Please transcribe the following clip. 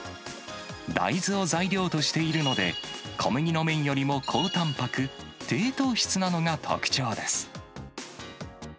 大豆を材料としているので、小麦の麺よりも高たんぱく、低糖質なのが特徴です。